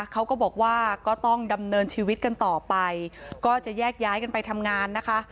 เขาก็บอกว่าก็ต้องดำเนินชีวิตกันต่อไปก็จะแยกย้ายกันไปทำงานนะคะ